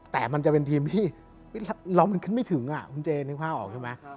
แต่มันจะเป็นทีมที่เรามันขึ้นไม่ถึงคุณเจนึกภาพออกใช่ไหม